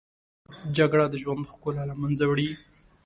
جګړه د ژوند ښکلا له منځه وړي